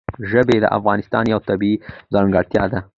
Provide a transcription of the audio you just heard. ژبې د افغانستان یوه طبیعي ځانګړتیا ده.